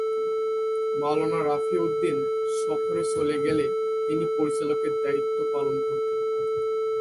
মাওলানা রফি উদ্দিন সফরে গেলে তিনি পরিচালকের দায়িত্ব পালন করতেন।